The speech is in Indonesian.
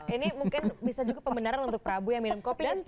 ini mungkin bisa juga pembenaran untuk prabu yang minum kopi